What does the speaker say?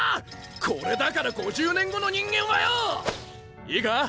これだから５０年後の人間はよぉ！いいか？